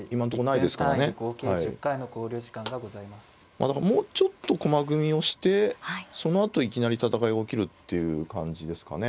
まあだからもうちょっと駒組みをしてそのあといきなり戦いが起きるっていう感じですかね。